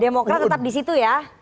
demokrat tetap di situ ya